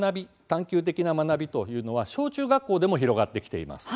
「探究的な学び」というのは小中学校でも広がってきています。